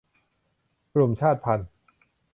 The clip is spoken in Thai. กลุ่มชาติพันธุ์